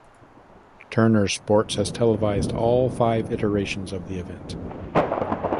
Turner Sports has televised all five iterations of the event.